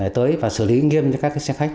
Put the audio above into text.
tới và xử lý nghiêm cho các xe khách